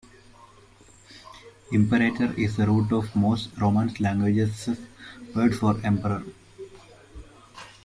"Imperator" is the root of most Romance languages' word for emperor.